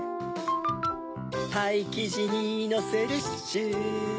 パイきじにのせるっシュ。